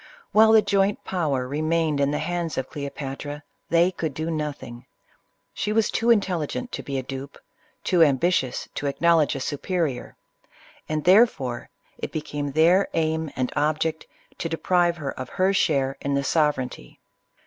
While the joint power remained in the hands of Cleopatra, they could do nothing, — she was too intelligent to be a dupe, too ambitious to acknowledge a superior, — and, therefore, 01 BOPATBJL 19 it became their aim and object to deprive her of her share in the sovereignty.